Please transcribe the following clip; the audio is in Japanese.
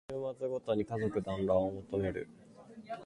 週末ごとに家族だんらんを求める